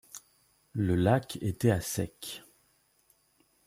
Le lac était à sec.